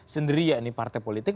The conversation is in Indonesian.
sendiri yaitu partai politik